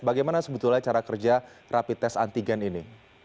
bagaimana sebetulnya cara kerja rapi tes antigen ini